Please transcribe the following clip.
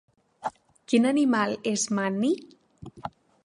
Quin animal és Manny?